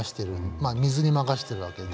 まあ水に任せているわけで。